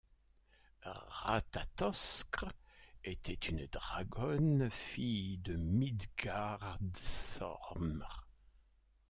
Ratatoskr était une dragonne, fille de Midgardsormr.